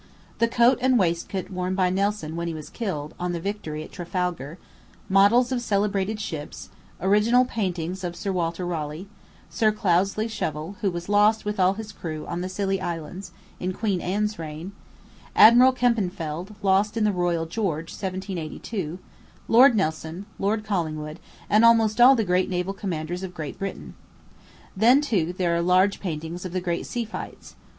The coat and waistcoat worn by Nelson when he was killed, on the Victory, at Trafalgar; models of celebrated ships; original painting of Sir Walter Raleigh; Sir Cloudesley Shovel, who was lost, with all his crew, on the Scilly Islands, in Queen Anne's reign; Admiral Kempenfeldt, lost in the Royal George, 1782; Lord Nelson; Lord Collingwood; and almost all the great naval commanders of Great Britain. Then, too, there are large paintings of the great sea fights.